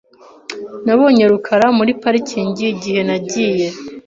Nabonye rukara muri parikingi igihe nagiye .